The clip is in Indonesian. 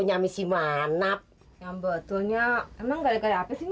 punya misi manap yang betulnya emang gaya gaya apa sih ya